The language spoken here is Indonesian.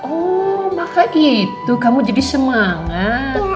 oh maka gitu kamu jadi semangat